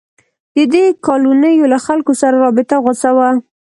د دې کالونیو له خلکو سره رابطه غوڅه وه.